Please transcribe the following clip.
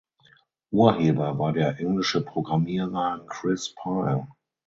Urheber war der englische Programmierer Chris Pile.